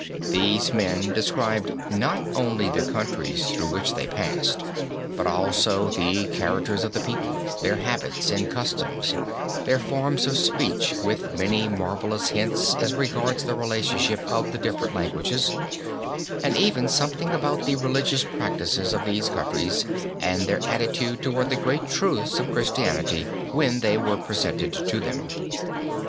These men described not only the countries through which they passed, but also the characters of the people, their habits and customs, their forms of speech, with many marvelous hints as regards the relationship of the different languages, and even something about the religious practises of these countries and their attitude toward the great truths of Christianity when they were presented to them.